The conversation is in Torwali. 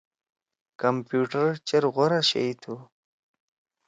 کمپیوٹر چیر غورا شئی تُھو۔